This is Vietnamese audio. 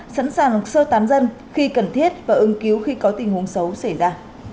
sẵn sàng sơ tán dân khi cần thiết và ưng cứu khi có tình huống xấu xảy ra